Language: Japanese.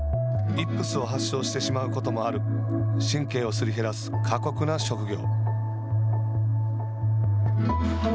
イップスを発症してしまうこともある神経をすり減らす過酷な職業。